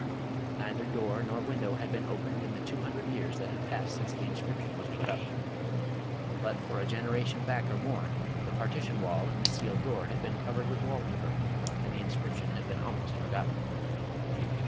Neither door nor window had been opened in the two hundred years that had passed since the inscription was put up. But for a generation back or more, the partition wall and the sealed door had been covered with wall paper, and the inscription had been almost for gotten.